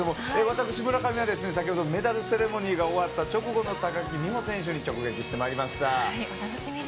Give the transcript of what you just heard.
私、村上は、先ほどメダルセレモニーが終わった直後の高木美帆選手に直撃してまいりました。